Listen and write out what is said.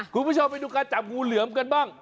คุณผู้ชมไปดูการจับงูเหลือมกันบ้าง